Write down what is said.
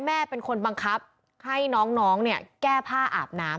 แม่เป็นคนบังคับให้น้องเนี่ยแก้ผ้าอาบน้ำ